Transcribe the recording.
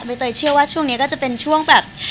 เตยเชื่อว่าช่วงนี้ก็จะเป็นช่วงแบบ